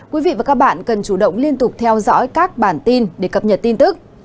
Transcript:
quý vị và các bạn cần chủ động liên tục theo dõi các bản tin để cập nhật tin tức